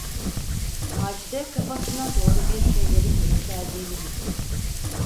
Macide kafasına doğru bir şeylerin yükseldiğini hissetti.